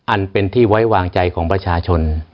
อันเป็นที่ไว้วางใจของประชาชน